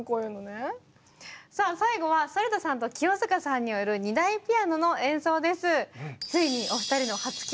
さあ最後は反田さんと清塚さんによる２台ピアノの演奏です。